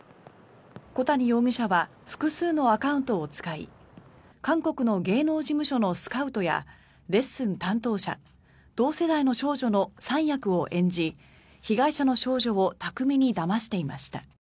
小谷容疑者は複数のアカウントを使い韓国の芸能事務所のスカウトやレッスン担当者同世代の少女の３役を演じ被害者の少女を巧みにだましていました。